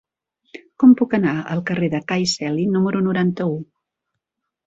Com puc anar al carrer de Cai Celi número noranta-u?